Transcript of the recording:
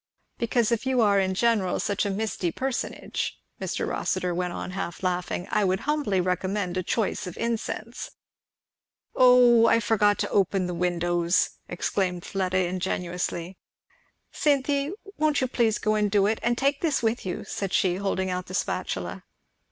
"Because if you are in general such a misty personage," Mr. Rossitur went on half laughing, "I would humbly recommend a choice of incense." "O I forgot to open the windows!" exclaimed Fleda ingenuously. "Cynthy, won't you please go and do it? And take this with you," said she, holding out the spatula.